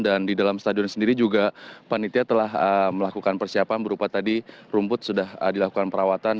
dan di dalam stadion sendiri juga panitia telah melakukan persiapan berupa tadi rumput sudah dilakukan perawatan